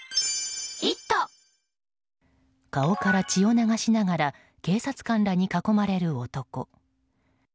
顔から血を流しながら警察官らに囲まれる男。